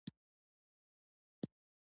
راشد خان د نړۍ تکړه توپ اچوونکی دی.